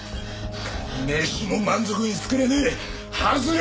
飯も満足に作れねえハズレ